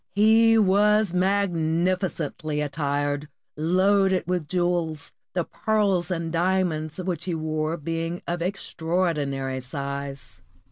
He was magnif icently attired, tod loaded with jewels, the pearls and diamonds which he wore being of extraordinary size.